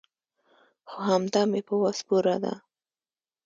خو همدا مې په وس پوره ده.